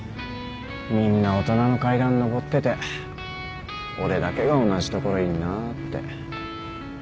みんな大人の階段のぼってて俺だけが同じところいるなぁって